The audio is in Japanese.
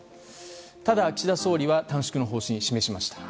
ただ、岸田総理は短縮の方針を示しました。